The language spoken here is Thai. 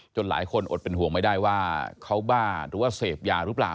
หลายคนอดเป็นห่วงไม่ได้ว่าเขาบ้าหรือว่าเสพยาหรือเปล่า